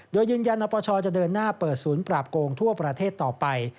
โดยยืนยันนปชจะเดินหน้าเปิดศูนย์ปราบโกงทั่วประเทศต่อไป